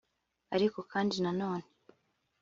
Ariko kandi nanone